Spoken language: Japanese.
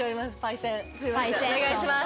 お願いします！